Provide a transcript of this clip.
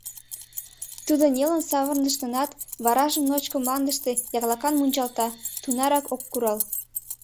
Тудо нелын савырныш гынат, варажым ночко мландыште яклакан мунчалта, тунарак ок курал.